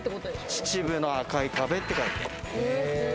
秩父の赤い壁って書いて。